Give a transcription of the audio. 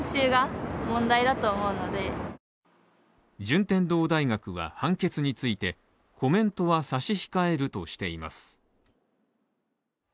順天堂大学は判決についてコメントは差し控えるとしています。